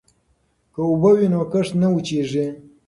که اوبه وي نو کښت نه وچيږي.